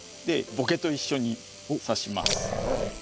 でボケと一緒に挿します。